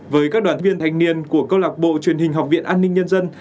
với các đoàn viên thanh niên của câu lạc bộ truyền hình học viện an ninh nhân dân